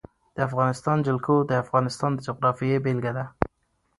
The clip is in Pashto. د افغانستان جلکو د افغانستان د جغرافیې بېلګه ده.